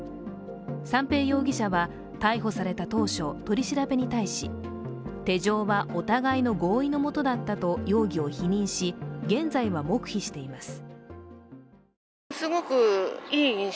三瓶容疑者は逮捕された当初、取り調べに対し、手錠はお互いの合意のもとだったと容疑を否認し現在は黙秘しています。